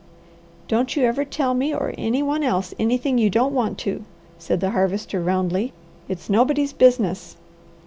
"Don't you ever tell me or any one else anything you don't want to," said the Harvester roundly. "It's nobody's business!"